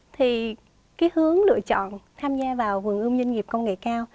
thì cái hướng lựa chọn tham gia vào vườn ươm doanh nghiệp công nghệ cao